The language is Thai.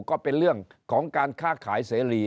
ก็เป็นเรื่องของการค้าขายเสรี